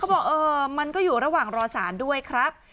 บอกเออมันก็อยู่ระหว่างรอสารด้วยครับ